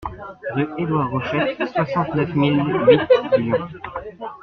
Rue Édouard Rochet, soixante-neuf mille huit Lyon